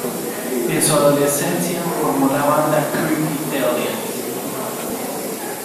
En su adolescencia, formó la banda Creepy Aliens.